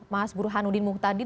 mas burhanuddin mukhtadi